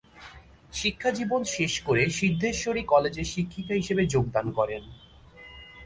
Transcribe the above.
শিক্ষাজীবন শেষ করে সিদ্ধেশ্বরী কলেজে শিক্ষিকা হিসেবে যোগদান করেন।